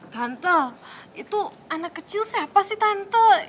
tante itu anak kecil siapa sih tante